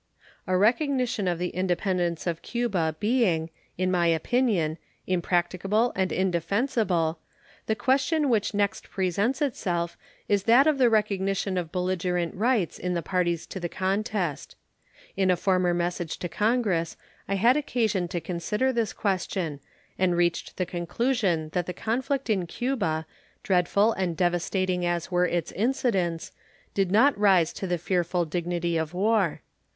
A recognition of the independence of Cuba being, in my opinion, impracticable and indefensible, the question which next presents itself is that of the recognition of belligerent rights in the parties to the contest. In a former message to Congress I had occasion to consider this question, and reached the conclusion that the conflict in Cuba, dreadful and devastating as were its incidents, did not rise to the fearful dignity of war.